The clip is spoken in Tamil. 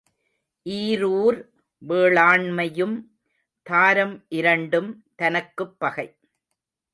ஈரூர் வேளாண்மையும் தாரம் இரண்டும் தனக்குப் பகை.